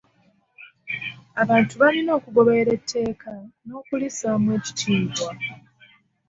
Abantu balina okugoberera etteeka n'okulissaamu ekitiibwa.